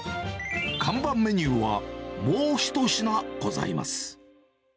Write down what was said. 看板メニューはもう１品ございます。